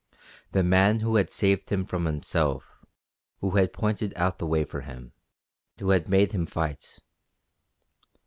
The man who had saved him from himself, who had pointed out the way for him, who had made him fight.